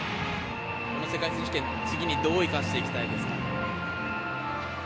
世界選手権、次にどう生かしていきたいですか？